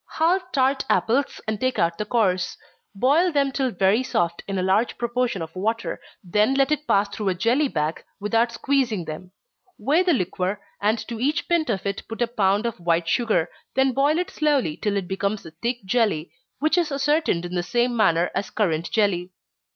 _ Halve tart apples, and take out the cores. Boil them till very soft, in a large proportion of water then let it pass through a jelly bag, without squeezing them. Weigh the liquor, and to each pint of it put a pound of white sugar then boil it slowly till it becomes a thick jelly, which is ascertained in the same manner as currant jelly.